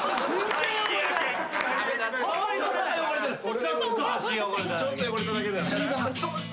・ちょっと足汚れただけ。